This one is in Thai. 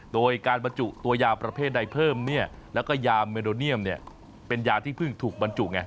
โดยการบรรจุตัวยาประเภทใดเพิ่มเนี่ยแล้วก็ยาเมโดเนียมเป็นยาที่เพิ่งถูกบรรจุไง